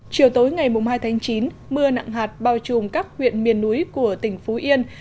chiều tối ngày hai tháng chín mưa nặng hạt bao trùm các huyện miền núi của tỉnh phú yên